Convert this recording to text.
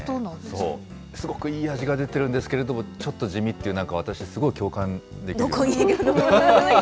そう、すごくいい味が出ているんですけれども、ちょっと地味って、なんか私、すごい共感できる。